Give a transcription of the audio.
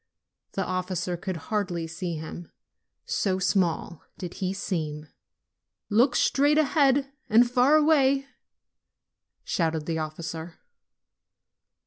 The officer could hardly see him, so small did he seem. "Look straight ahead and far away!" shouted the officer.